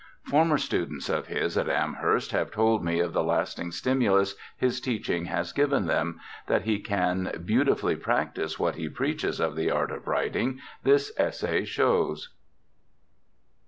Former students of his at Amherst have told me of the lasting stimulus his teaching has given them: that he can beautifully practise what he preaches of the art of writing, this essay shows.